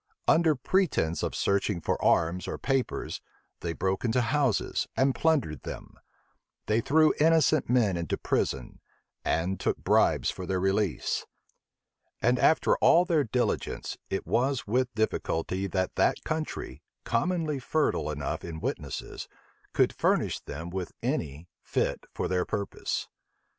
Under pretence of searching for arms or papers, they broke into houses, and plundered them: they threw innocent men into prison, and took bribes for their release: and after all their diligence, it was with difficulty that that country, commonly fertile enough in witnesses, could furnish them with any fit for their purpose.